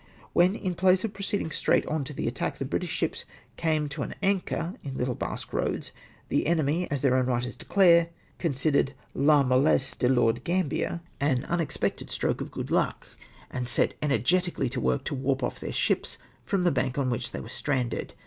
'' When, in place of proceeding straight on to the attack, the British ships came to an anchor in Little Basque Eoads, the enemy, as their ow^n writers declare, considered "/</, molless e de Lord, (darnhier" an un THE SHOALS PUT IN THE CHART TO EXCUSE THIS. i.7 expected stroke of good luck, and set energetically to work to warp off their ships from the bank on which they were stranded.